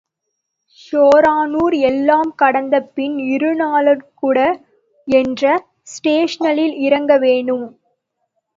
ஷோரனூர் எல்லாம் கடந்த பின் இருஞாலகுடா என்ற ஸ்டேஷனில் இறங்க வேணும்.